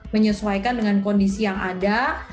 menyesuaikan dengan kondisi yang ada